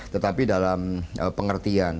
tetapi dalam pengertian